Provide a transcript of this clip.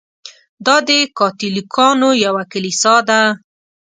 دا د کاتولیکانو یوه کلیسا ده.